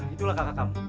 itulah kakak kamu